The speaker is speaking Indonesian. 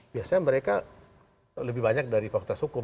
biasanya mereka lebih banyak dari fakultas hukum